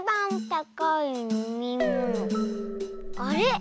あれ？